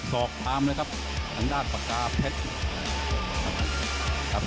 สอนหน้านี้นี่อรัวมัติเป็นประทัดจุดจีนเลยนะพี่ชัยนะ